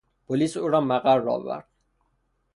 پلیس او را مقر آورد.